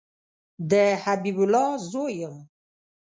د حبیب الله زوی یم